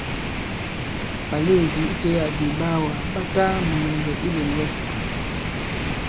Ɓàlèedì itẽ adi ìɓaawàgà ɓa ta mùnyɛ̀ŋgɛ̀ i ilòŋgɛ.